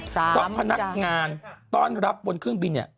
เพราะพนักงานต้อนรับบนเครื่องบินเนี่ย